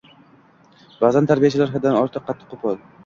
Ba’zan tarbiyachilar haddan ortiq qattiqqo‘l.